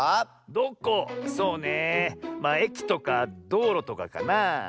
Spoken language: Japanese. そうねええきとかどうろとかかなあ。